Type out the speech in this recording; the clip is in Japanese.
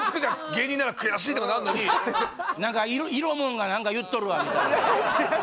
芸人なら「悔しい！」とかなるのに何か色もんが何か言っとるわみたいな違います